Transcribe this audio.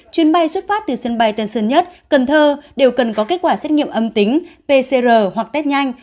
chuyến bay xuất phát từ sân bay tân sơn nhất cần thơ đều cần có kết quả xét nghiệm âm tính pcr hoặc test nhanh